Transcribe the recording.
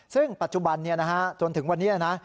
ซึ่งปัจจุบันจนถึงวันนี้นะ